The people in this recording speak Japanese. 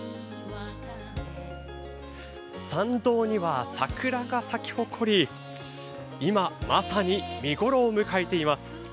参道には桜が咲き誇り、今まさに見頃を迎えています。